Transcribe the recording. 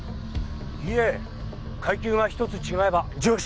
いえ階級が１つ違えば上司です。